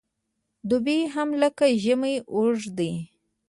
دوبی هم لکه ژمی اوږد دی .